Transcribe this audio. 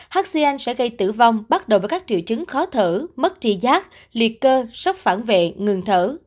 hc sẽ gây tử vong bắt đầu với các triệu chứng khó thở mất tri giác liệt cơ sốc phản vệ ngừng thở